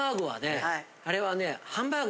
あれはね。